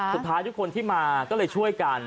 สุดท้ายทุกคนที่มาก็เลยช่วยกัน